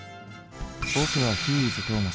僕はヒーイズトーマス。